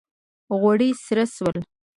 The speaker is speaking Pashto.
غوړي سره سول